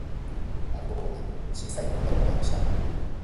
あるところに、ちいさい女の子がいました。